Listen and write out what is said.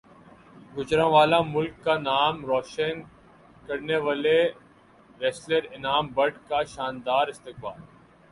گوجرانوالہ ملک کا نام روشن کرنیوالے ریسلر انعام بٹ کا شاندار استقبال